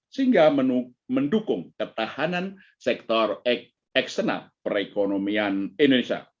sehingga mendukung ketahanan sektor eksternal perekonomian indonesia